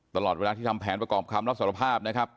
ตลอดเวลาที่ทำแผนประกอบคำรับสารภาพนะครับ